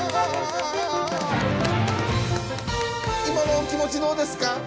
今のお気持ちどうですか？